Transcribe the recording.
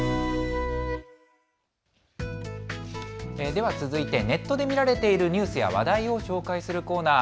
では続いてネットで見られているニュースや話題を紹介するコーナー。